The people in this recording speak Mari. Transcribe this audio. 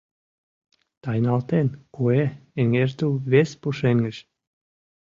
Тайналтен, куэ, эҥертыл вес пушеҥгыш